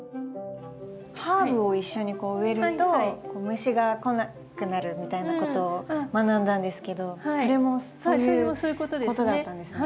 ハーブを一緒に植えると虫が来なくなるみたいなことを学んだんですけどそれもそういうことだったんですね。